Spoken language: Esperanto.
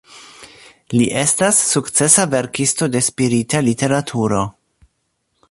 Li estas sukcesa verkisto de spirita literaturo.